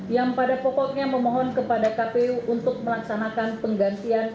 yang pada pokoknya memohon kepada kpu untuk melaksanakan penggantian